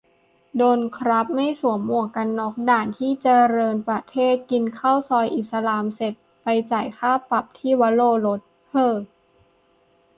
โดนครับ ไม่สวมหมวกกันน็อก ด่านที่เจริญประเทศ กินข้าวซอยอิสลามเสร็จ ไปจ่ายค่าปรับวโรรส เฮ่อ